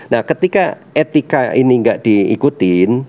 nah ketika etika ini tidak diikutin